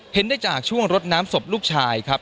เห็นได้จากช่วงรดน้ำศพลูกชายครับ